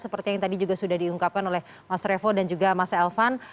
seperti yang tadi juga sudah diungkapkan oleh mas revo dan juga mas elvan